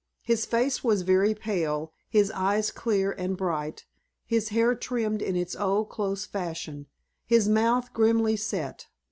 His face was very pale, his eyes clear and bright, his hair trimmed in its old close fashion, his mouth grimly set.